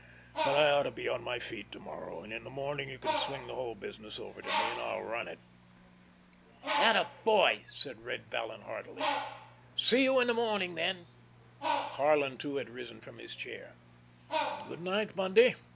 But I ought to be on my feet to morrow, and in the morning you can swing the whole business over to me, and I'll run it." "Attaboy!" said Red Vallon heartily. "See you in the morning, then." Karlin too had risen from his chair. "Good night, Bundy!"